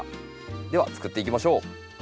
ではつくっていきましょう。